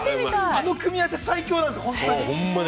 ◆あの組み合わせ最強なんですよ。